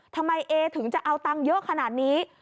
ทำไมเอถึงจะเอาตังค์เยอะขนาดนี้